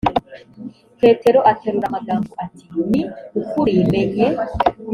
petero aterura amagambo ati ni ukuri menye